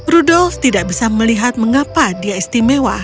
rudolf tidak bisa melihat mengapa dia istimewa